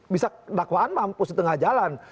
bisa dakwaan mampus di tengah jalan